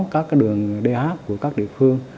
có đường dh của các địa phương